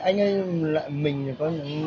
anh ơi mình có loại nào anh ạ